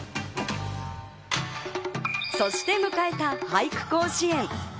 そして迎えた俳句甲子園。